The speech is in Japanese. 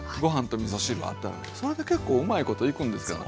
それで結構うまいこといくんですけども。